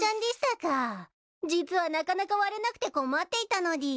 実はなかなか割れなくて困っていたのでぃす。